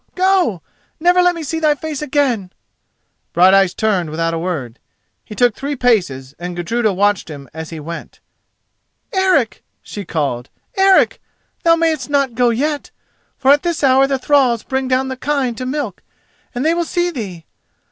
—go! Never let me see thy face again!" Brighteyes turned without a word. He took three paces and Gudruda watched him as he went. "Eric!" she called. "Eric! thou mayest not go yet: for at this hour the thralls bring down the kine to milk, and they will see thee.